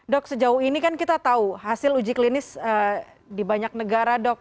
dok sejauh ini kan kita tahu hasil uji klinis di banyak negara dok